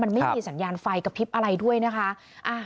มันไม่มีสัญญาณไฟกระพริบอะไรด้วยนะคะ